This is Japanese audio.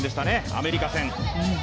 アメリカ戦。